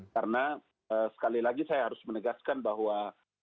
karena sekali lagi saya harus menegaskan bahwa